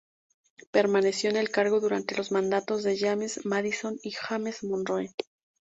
Permaneció en el cargo durante los mandatos de James Madison y James Monroe.